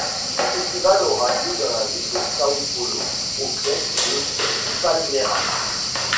Ce festival aura lieu dans la ville de Sao Paulo, au club de Palmeiras.